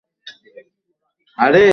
বাসায় এক থেকে দুইটি ডিম পাড়ে।